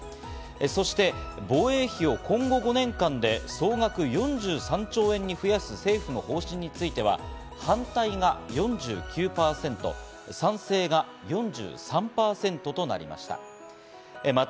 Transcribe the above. そして防衛費を今後５年間で総額４３兆円に増やす政府の方針については、反対が４９％、賛成が４３％となりました。